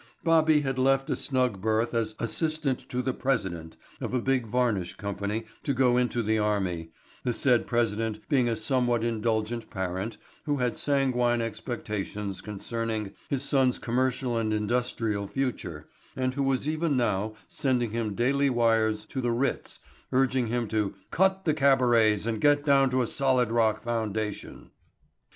Bobby had left a snug berth as "assistant to the president" of a big varnish company to go into the army, the said president being a somewhat indulgent parent who had sanguine expectations concerning his son's commercial and industrial future and who was even now sending him daily wires to the Ritz urging him to "cut the carabets and get down to a solid rock foundation."